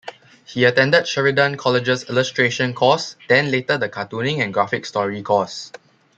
He attended Sheridan College's illustration course, then later the cartooning and graphic story course.